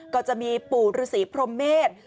ก็จะมีปู่ฤษีพรมเมษ